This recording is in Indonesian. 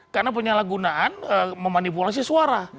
karena penyalahgunaan memanipulasi suara